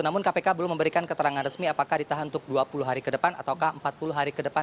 namun kpk belum memberikan keterangan resmi apakah ditahan untuk dua puluh hari ke depan atau empat puluh hari ke depan